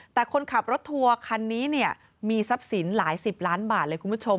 แต่คนขับรถทัวร์คันนี้เนี่ยมีทรัพย์สินหลายสิบล้านบาทเลยคุณผู้ชม